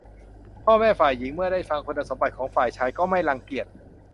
พ่อแม่ฝ่ายหญิงเมื่อได้ฟังคุณสมบัติของฝ่ายชายก็ไม่รังเกียจ